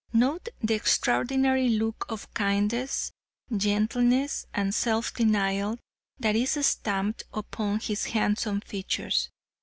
Note the extraordinary look of kindness, gentleness and self denial that is stamped upon his handsome features.